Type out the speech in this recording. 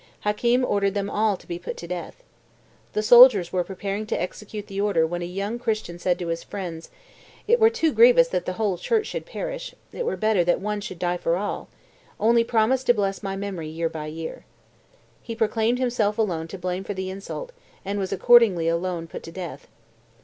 Hakem ordered them all to be put to death. The soldiers were preparing to execute the order when a young Christian said to his friends, "It were too grievous that the whole Church should perish; it were better that one should die for all; only promise to bless my memory year by year." He proclaimed himself alone to blame for the insult, and was accordingly alone put to death.